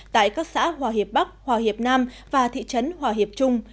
tại các xã hòa hiệp bắc hòa hiệp nam và thị trấn hòa hiệp trung